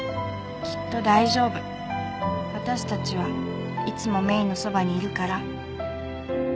きっと大丈夫わたしたちはいつもメイのそばにいるから」